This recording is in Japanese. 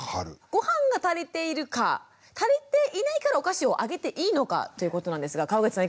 ごはんが足りているか足りていないからお菓子をあげていいのかということなんですが川口さん